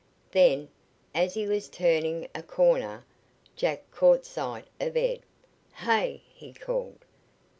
Then, as he was turning a corner, Jack caught sight of Ed. "Hey!" he called.